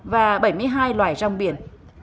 và bảy mươi hai loài rong biển